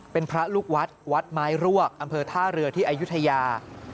เป็นพระลูกวัดวัดไม้รวกอำเภอท่าเรือที่อายุทยา